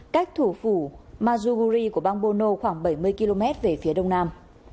cách thủ phủ mazuguri của bang bono khoảng bảy mươi km về phía đông nam